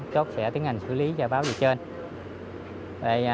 chốt sẽ tiến hành xử lý và báo dịch trên